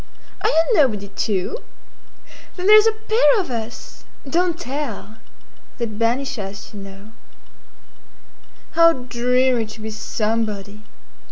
Are you nobody, too? Then there 's a pair of us—don't tell! They 'd banish us, you know. How dreary to be somebody!